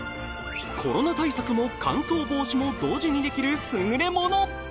コロナ対策も乾燥防止も同時にできるすぐれもの